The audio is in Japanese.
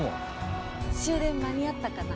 終電間に合ったかな？